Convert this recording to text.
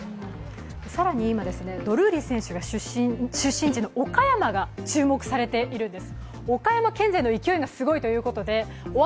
更に今、ドルーリー選手の出身地の岡山が注目されてるんです。